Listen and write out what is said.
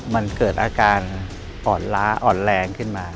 มันเกิดอาการอ่อนล้าอ่อนแรงขึ้นมา